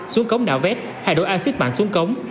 xuống cống đảo vét hay đổ axit mạng xuống cống